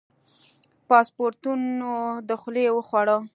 پاسپورتونو دخولي وخوړه.